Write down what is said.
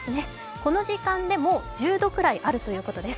この時間で、もう１０度くらいあるということです。